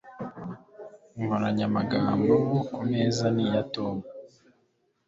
Inkoranyamagambo ku meza ni iya Tom